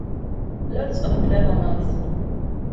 Lots of clever maths